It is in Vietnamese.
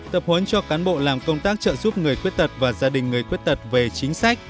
tập huấn cho cán bộ làm công tác trợ giúp người khuyết tật và gia đình người khuyết tật về chính sách